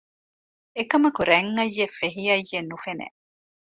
އެކަމަކު ރަތް އައްޔެއް ފެހި އައްޔެއް ނުފެނެ